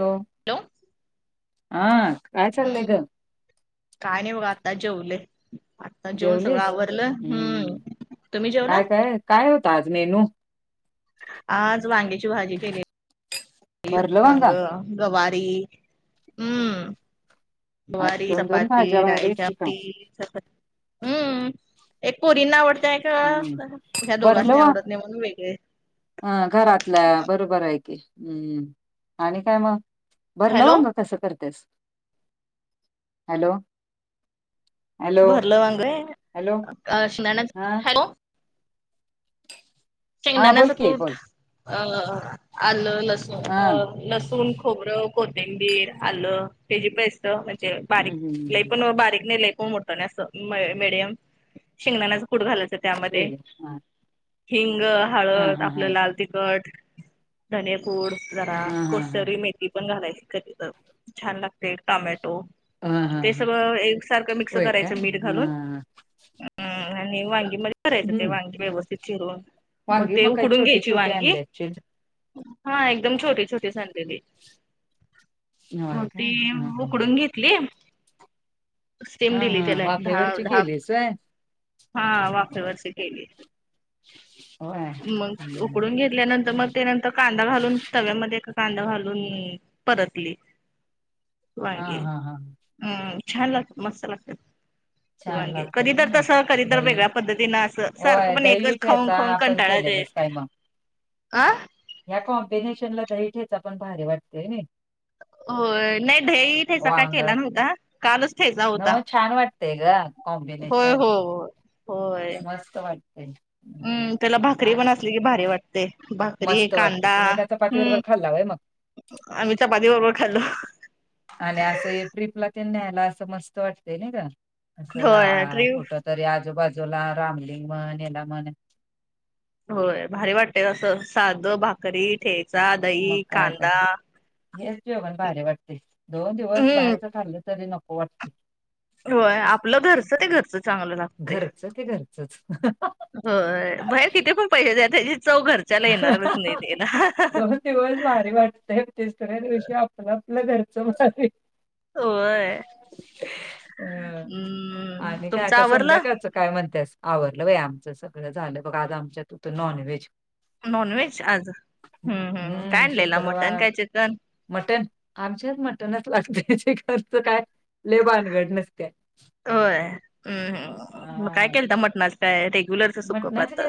हो हॅलो हा काय चाललंय हम्म, ग काय नाही बघा आत्ता जेवले आता जेऊन सगळं आवरलं हम्म तुम्ही जेवला काय काय काय होतं आज मेनू. आज वांग्याची भाजी केली भरलं वांग वांगा गवारी हम्म. आज गवारी दोन दोन चपाती भाज्या भारी डाळीची आहेत की का आमटी चपा हम्म एक पोरींना आवडतेय का हम्म ह्या दोघांच नाही आवडत नाही म्हणून वेगळी. ह घरातल्या बरोबर आहे की हम्म आणि काय मग भरलं हॅलो वांग. कस करतेस हॅलो. हॅलो भरलं वांग हॅलो आहे हा हॅलो. हा बोल शेंगदाण्याचं की कूट बोल अ आलं लसूण हा अ हम्म, लसूण खोबरं कोथिंबीर आलं तेजी प असत म्हणजे बारीक हम्म, ल हम्म. पण बारीक नाही लय पण मोठ मडयम शेंगदाण्याचे कुड घालायच [unintelligible] हिंग हा हळद हा आपलं हा लाल तिखट धनेपूड. जरा हा हा कसूरी मेथी पण घालायची कधी तर छान लागते टोमॅटो हा हा हा ते हा. सगळं एक सारखं मिक्स होय काय करायचं मीठ घालून हा हम्म आणि वांगी मध्ये करायचं ते हम्म वांगी व्यवस्थित चिरून मग वांगी ते काय उकडून छोटे घ्यायची छोटे वांगी आणले असतील हा एकदम छोटी छोटी संडेली होय काय मोठी हा हा उकडून घेत ली. सेम हा दिली हा त्याला एक दहा वाफेवरची दहा केलीस व्हय. हा वाफेवरची केली. होय. मग हम्म. उकडून घेतल्यानंतर मग त्यानंतर कांदा घालून तव्यामध्ये एक कांदा घालून परतली हा मागे हा हा हम्म छान लागतात मस्त लागतात. छान शिवाांगी लागतात कधी होय तरर नाही तसं कधी तरर दही वेगळ्या पद्धतीनं असं सारखं होय पण दही एकच खाऊन ठेचा खाऊन आपण कंटाळा केलेलीस येतो काय मग अ. या कॉम्बिनेशन ला दही ठेचा पण भारी वाटतेय. हो नाही ठेचा काय केला नव्हता कालच ठेचा होता न छान वाटतेय ग होय कॉम्बिनेशन हो मस्त वाटतय. हम त्याला भाकरी पण असली की भारी वाट ते भाकरी मस्त वाटते कांदा तुम्ही एका चपाती बरोबर हम्म. खाल्ला व्हय मग आम्ही चपाती बरोबर खाल्लो. आणि असं ट्रिपला ते न्यायला असं मस्त वाटतय ना का असं होय आ ट्रीप. कुठ तरी आजूबाजूला रामलिंग मन याला म्हण होय भारी वाटतेय असं साधं भाकरी ठेचा मग दही काय तर कांदा हेच जेवण भर वाटते दोन दिवस हम्म बाहेरच खाल्लं तरी नको वा होय आपलं घरचं ते घरचं चांगलं ला घरचं ते घरचं. [unintelligible] हो बाहेर किती पण पैशे त्या चौ घर दोन दिवस भारी वाटते तिसऱ्या दिवशी आप मग आपल्या घरचं होय अ हम्म आणि काय तुमचं आता आवरलं. संध्याकाळचं काय म्हणतेस आवरलं बाई आमचं सगळं झालं बघ आता आमच्यात नॉनव्हेज नॉन व्हेज आज ह काय हम्म आणलेलं मटन शुक्रवार काय चिकन? मटण आमच्याच मटणच लागते त्याचे खर्च काय लय भानगड नसत्या. होय हम्म म हा काय केलत मटणाचा काय रेग्युलरच सुकं पातळ.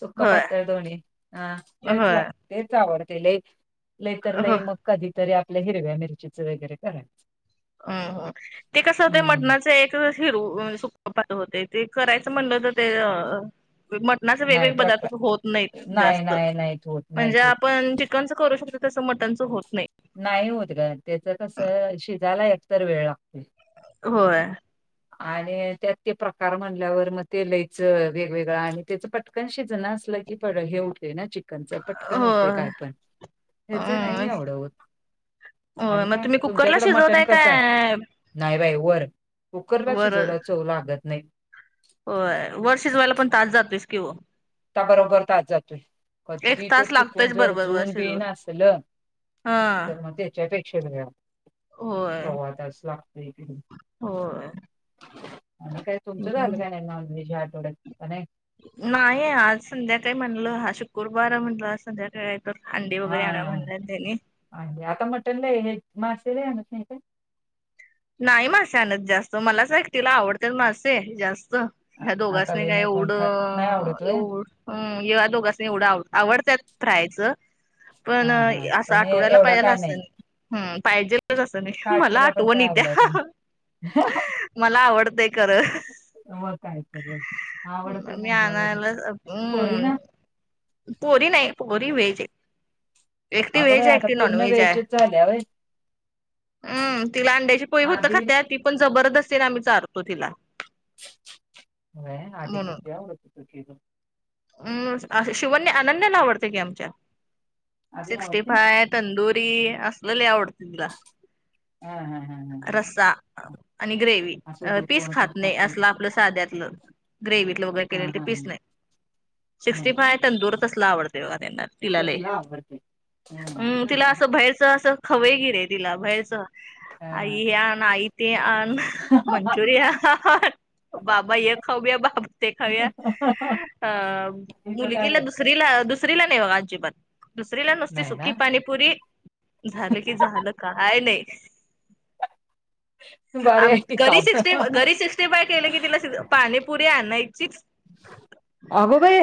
सुक होय पातळ दोन्ही अ तेच होय लाग तेच आवडते लई लई तर हो लई मग कधीतरी आपल्या हिरव्या मिरचीचं वगैरे करायचं. अम ते कसं होतंय हम्म मटणाचं एक. त हिरू सुकु पातळ होते ते करायचं म्हणलं तर ते अ मट मटन नाही वेगवेगळे प्रकार पदार्थ होत नाही नाही जास्त नाही नाहीत होत म्हणजे नाहीत होत आपण ची चिकनचं करू शकतो तसं मटनचं होत नाही. नाही होत ग त्याच कसं शिजायला एकतर वेळ लागते. होय. आणि त्यात ते प्रकार म्हणल्यावर मग ते लईचं वेगवेगळं आणि त्याच पट क शीजण असलं की प हे होते ना ची कच पटकन होते होय काय पण ह्याच अ नाही आवड होत. होय मग आणि तुम्ही कुकरला तुमच्याकडं मटण शिजवताय कस काय नाही बाई वर. कुकरला शिजवला चोव लागत नाहीत. हो वर शिजवायला पण तास जातोस किं वा. त्या बरोबर तास जातोय एक कधी तर तास चुकून लागतोयच जर बरोबर वर जुन बि शिजवत. न असल. हा तर मग त्याच्यापेक्षा वेळ लागतेय होय सव्वा तास लागतोय. होय. काय तुमचं हम्म झालं का नाही नॉनव्हेज या आठवड्यात का नाही. नाही आज संध्याकाळी म्हणलं हा शुक्रवार म्हटलं संध्याकाळी. तर अंडी वगैरे आणा म्हणल्यात त्यांनी. अंडी आता मटन नाही होय मासे आनत नाही काय. नाही मासे आणत जास्त मलाच तिला आवडत मासे जास्त. ह्या आ- दोघांच आता नाही लय काय कोण खात नाही आवडत एवढं व्हय एव हम एव दोघांचना एवढं आव आवडतात फ्रायचं. हा पण हा असं पण ए- आठवड्याला एवढा पाहिला काय नाही. असंन. ह पाहिजे असं नाही मला काकीला पण आठवणी इत्या. [inaudible] मला आवडतेय खरं. व काय कर आवडत मी माझ्यावर आणायला पोरी हम्म ना [unintelligible] पोरी नाही पोरी व्हेज हायत. एकट अगं वेज बाई आहे आता एकट नॉन पूर्ण वेज आहे. व्हेजच झाल्या व्हय हम्म तिला अंड्याची पोळी होत आधी खात्या ती पण जबरदस्तीने आम्ही चारतो तिला. वय आधी कितीवडत होतं की. हम् शिवनी अनन्या आवडते की आमच्या. अजून सिक्स्टी आवडतंय? फाय तंदुरी असलं लय आवडते तुला. हा हा हा हा. रस्सा हा आणि ग्रेवी असू दे पीस कोण खात तर नाही खाते असलं आपलं साध्यातलं. ग्रेव्हत वैगेरे हा केलं ते हा हा पीस नाही. सिक्स्टी नाही काय फाय तंदूर तसला आवडतय बघा त्यांना तिला लय. वरती. हम् तिला असं बाहेरच असं खवेय गिरे तिला बाहेरच. आई हा हे आण आई ते आण मंचुरिया आन. बाबा य खाऊया बाबा ते खाऊया अ हिचं काय मुलगीला नाही दुस दुसरी नाही अजिबात दुसरीला नसती नाही सुकी ना पाणी पुरी झालं की झालं काय नाही. बरे आम आहे की घरी काम सिक्स्टी घरी सिक्स्टी बाय केले की तिला पाणी पुुरी आणियचीच. अगो बाई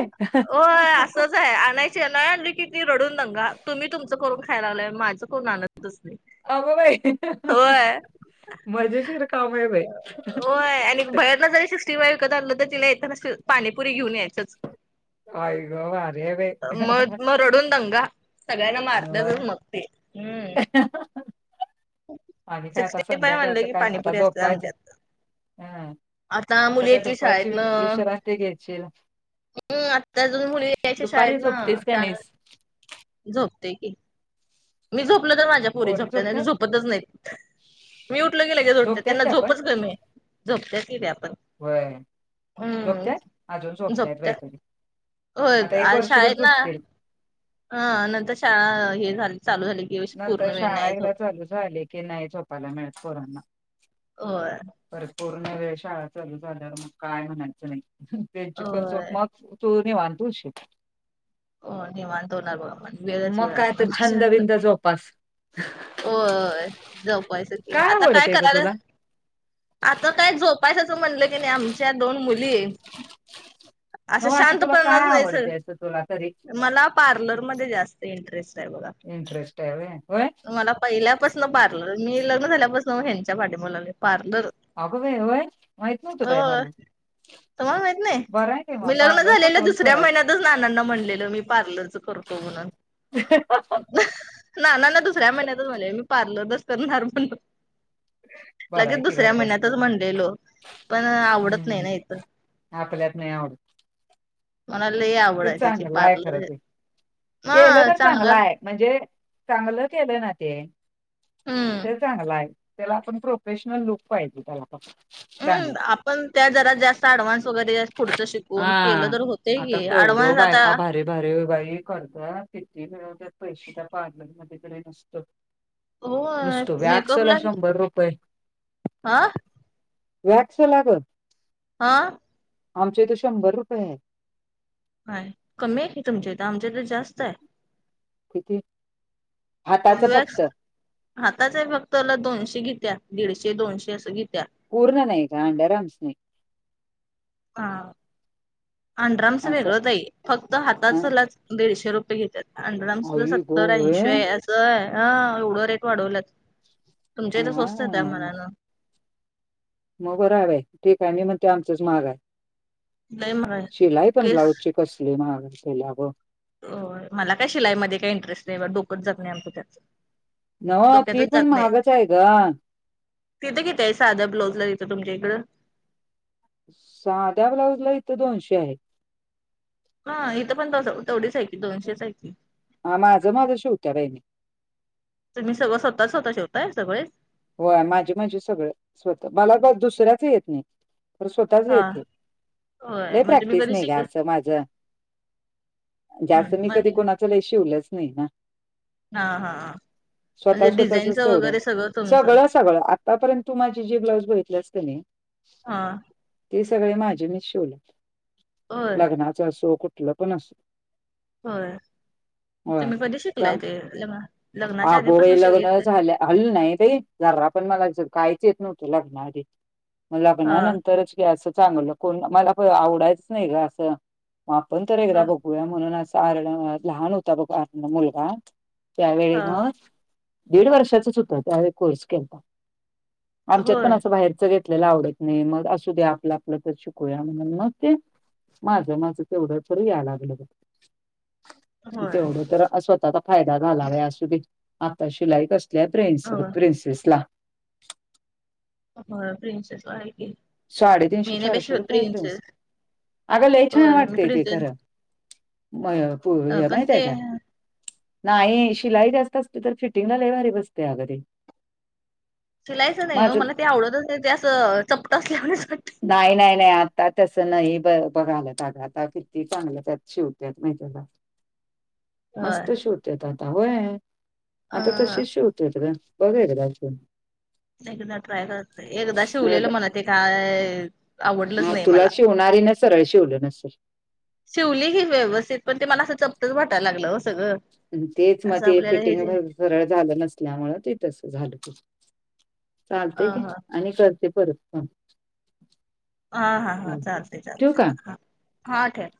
हो असच आहे आणय चेना आणली की ती रडून दंगा तुम्ही तुमचं करून खायला लालाय माझं करून आणतच नाही. अग बाई होय. मजेशीर काम आहे बाई. होय आणि बाहेरन जरी सिक्स्टी फाय विकत आलं तर तिला येताना पाणीपुरी घेऊन यायच. काय ग भारी हाय मग बाई. मग रडून दंगा सगळ्यांना मारत होय मग ते्. आणि काय आता सिक्स्टी फाय म्हणलं संध्याकाळचं की काय आता पाणीपुरी असते झोपवायचं. आमच्यात. हा आता मुली काय येतील दुपारची शाळेतन विश्रांती घेशील. हम् आत्ता अजून मुली यायच्या दुपारी शाळेत ना झोपतेस का चांग नाहीस झोपते की मी झोपलं तर माझ्या पुरी पोरी झपत नाही झोपतात झोपतच नाही मी उठलो की लगेच उठतात झोपतात त्यांना त्या झोपच कमी आहे. झोपते त आपण वय झोपतयत अजून झोपतयत झोपत्यात. वैतरी होय आता एक वर्षभर झोपतील ह नंतर शाळा हे झाली चालू झाली. की पूर्ण नंतर वेळ शाळा नाही एकदा झोपत. चालू झाली की नाही झोपायला मिळत पोरांना. होया. पर पूर्ण वेळ शाळा चालू झाल्यावर मग काय म्हणायचं नाही त्यांची पण स्वप होय. म तू निवांत होशील. हो निवांत होणारा बघा पण वेळच मग वेळ काय असणार तर छंद बंद जोपास हो जपायस की आता काय आवडतंय ग कराल? तुला? आता काय झोपायचं असं म्हणलं की नाही आमच्या दोन मुली असं नव्ह तुला काय शांतपणाच नाही सर आवडतंय असं तुला तरी मला पार्लरमध्ये जास्त इंटरेस्ट आहे बघा. इंटरेस्ट आहे होय. मला पहिल्यापासून पार्लर मी लग्न झाल्यापासून ह्यांच्या पाठी मला पार्लर अगो बाई! होय माहित नव्हतं मला. तर मग माहित नाही बरं आहे की मी मग लग्न पार्लरचा झालेल्या कोर्स दुसऱ्या करायचा. महिन्यातच नानांना म्हण मी पार्लरच करतो म्हणून नानांना दुसऱ्या महिन्यातच म्हणजे मी पार्लरच करणार म्हण बरं लगेच आहे की दुसऱ्या घर महिन्यातच बसल्या. म्हणलेलो पण आवडत नाही हम्म ना इथं आपल्यात नाही आवड मला लई आवड ते आहे त्याची चांग लाय खरं पार्लर ते हा केलं तर चांगला चांगलाय म्हणजे चांगलं केलं ना ते हम्म. तर चांगलं आहे. त्याला आपण प्रोफेशनल लुक पाहिजे त्याला पस हम् आपण त्या जराात जास्त ऍडव्हान्स वगैरे पुढच शिकतो. कोण केलं हा तर होतय की अडवान्स आता बरे बाई करता किती मिळवत पैसे त्या पार्लर कडे नसतो. होय नसतो वॅक्सला मेकअपला शंभर रुपये हा वॅक्स ला ग! हा आमचे इथ शंभर रुपये आहे. हा कमी आहे की तुमच्या इथ आमच्या तर जास्त आहे. किती? हाताचं वॅक्स फक्त हातच आहे फक्तला दोनशे घेत्या दीडशे दोनशे असं घेत्या. पर्ण नाही का अंड अरम्स नाही हा अंड्रामच असं वेगळंच आहे फक्त हातचलाच दीडशे रुपये घेतात. अंडडम सुद्धा आई गो सत्तर होय ऐंशी असं आहे ह एवढं रेट वाढवलात. तुमच्या तर स्वस्त त्या मना मग बरबाई आहे ठीक आहे बाई मग ते आमचच महाग आहे लय महाग आहे शिलाई पण केस ब्लाउजची कसली मग केल्या हो मला काय शिलाईमध्ये काही इंटरेस्ट नाही डोकच जग नाही आमचं त्यात नव ती डोक्यातच पण जात नाही महागच आहे ग! तिथं किती आहे साध्या ब्लाज ला तिथं तुमच्या इकडे? साध्या ब्लाउज ला इथं दोनशे आहे ह इथं पण तेवढी सायक दोनशे सायकल ह माझं माझं शेवत्या राहिणे तुम्ही सगळ स्वतः स्वतः शेवय सळेच होय माझे माझे सगळं स्वत मला दुसऱ्याच येत नाही तर स्वतःच हा होय येते मग तुम्ही प्रॅक्टिस कधी नाही ग शिक असं माझ जास्त हम्म मी म्हणजे कधी कोणाच काय शिवलंच नाही ना हा हा स्वतः म्हणजे स्वतःचच डिझाईनचं तेवढं. वगैरे सगळं तुमचं सगळं सगळं आतापर्यंत तू माझी जे ब्लाऊज बघितलीस की नाही हा ते सगळे माझे मी शिवले होय लग्नाच असो कुठलं पण असो होय तुम्ही कधी शिकलायत, हे अग बाई लग्न झाल्या आधी नही जरा, बाई मला काही येत नव्हतं लग्नाआधी मग हा लग्नानंतर असं चांगलं कोण मला आवडायचं नाही ग असं आपण तर एकदा हा बघूया म्हणून असं कारण लहान होता का मुलगा त्यावेळी हा मग दीड वर्षाचच होत त्यावेळी कोर्स केला आमच्यात होय पण असं बाहेरचं येत आपल्याला आवडत नाही मग असू दे आपलं आपलं तर शिकूया म्हण मग ते माझं माझं तेवढं तर यायला लागलं ग होय तेवढं तर स्वतःचा फायदा झाला आहे असु दे आता शिलाई असत त्या, प्रिन्स होय प्रिन्सेसला हो प्रिन्सेस आहे की साडेतीनशे मी नाही बाई चारशे शिवत रुपयेत प्रिन्स प्रिन्सेस अग लय छान होय मी वाटते प्रिजन खरंच मय, पुय अ हे पण माहित ते आहे काय नाही शिलाई जास्त असते तर फिटिंगला लय भारी बसते अग, ते शिलायचं नाही हो माझं मला ते आवडतच नाही ते असं चपट अस लावण्याच वाटत नाही नाही नाही आता तस नाही ब बघालं आग आता किती चांगलं त्यात शिवत्यात, माहितीये का होय. मस्त शिवत्यातआता होय आता अ तशीच शिवते आता काय बर आहे का त्यांचं एकदा ट्राय करत एकदा शिवलेलं म्हणा ते काय आवडलंच हा, नाही तुला मला. शिवणारी ना सरळ शिवल नसेल शिवली ही व्यवस्थित पण ते मला असं चपटच, वाटयला लागलं हो सगळं तेच मग असं ते आपल्याला हे फिटिंग जे सरळ झालं नसल्यामुळे ते तस झालं अ चालते कि ह आणि करते परत पण हा हा हा चालते चालते हा हा ठेव